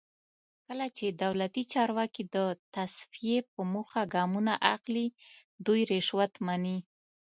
کله چې دولتي چارواکي د تصفیې په موخه ګامونه اخلي دوی رشوت مني.